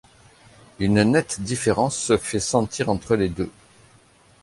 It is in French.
Une nette différence se fait sentir entre les deux.